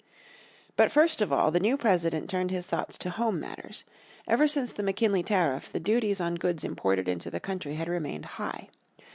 But first of all the new President turned this thoughts to home matters. Ever since the McKinley Tariff the duties on goods imported into the country had remained high.